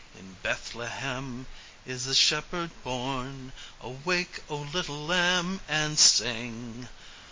In Bethlehem is the Shepherd born. Awake, O little lamb, and sing!"